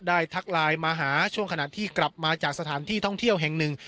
ทักไลน์มาหาช่วงขณะที่กลับมาจากสถานที่ท่องเที่ยวแห่งหนึ่ง